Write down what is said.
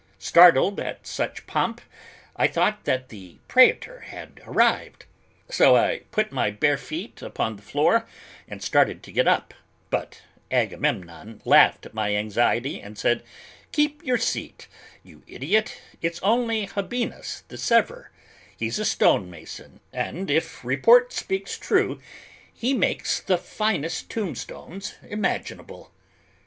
Startled at such pomp, I thought that the Praetor had arrived, so I put my bare feet upon the floor and started to get up, but Agamemnon laughed at my anxiety and said, "Keep your seat, you idiot, it's only Habinnas the sevir; he's a stone mason, and if report speaks true, he makes the finest tombstones imaginable."